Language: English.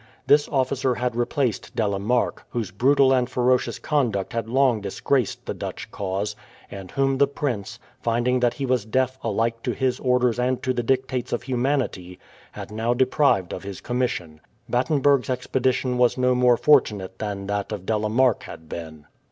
This officer had replaced De la Marck, whose brutal and ferocious conduct had long disgraced the Dutch cause, and whom the prince, finding that he was deaf alike to his orders and to the dictates of humanity, had now deprived of his commission. Batenburgh's expedition was no more fortunate than that of De la Marck had been.